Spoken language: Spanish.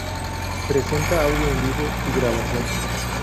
Presenta audio en vivo y grabaciones.